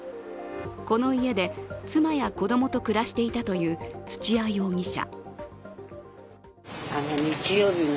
この家で妻や子供と暮らしていたという土屋容疑者。